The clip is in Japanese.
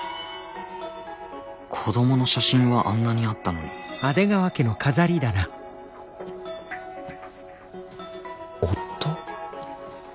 子供の写真はあんなにあったのに夫。